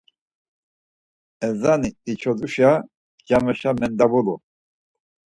Ezani içoduşa cameşa mendvalu.